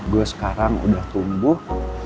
gue sekarang udah tumbuh